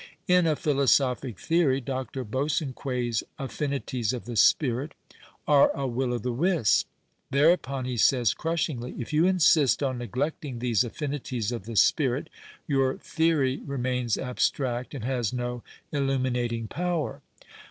In a philosophic theory Dr. Rosanquet's " aflinities of the spirit " are a will o' the wisp. Thereupon he says, crushingly, " if you insist on neglecting these affinities of the spirit, your theory remains abstract, and has no illuminating ))ower."